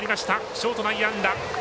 ショート、内野安打。